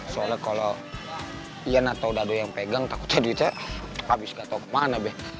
soalnya kalau ian atau dado yang pegang takutnya duitnya abis gak tau kemana be